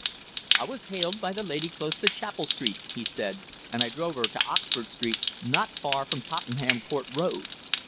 "I was hailed by the lady close to Chapel Street," he said, "and I drove 'er to Oxford Street, not far from Tottenham Court Road.